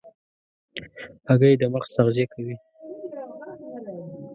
هګۍ د مغز تغذیه کوي.